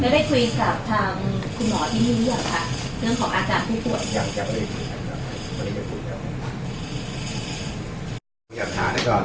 ได้คุยกับทางคุณหมอที่นี่เรียกอาการ